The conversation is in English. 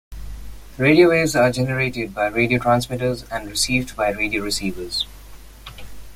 Radio waves are generated by radio transmitters and received by radio receivers.